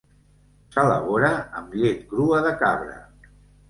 S'elabora amb llet crua de cabra.